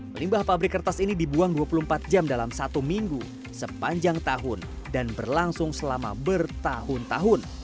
melimpah pabrik kertas ini dibuang dua puluh empat jam dalam satu minggu sepanjang tahun dan berlangsung selama bertahun tahun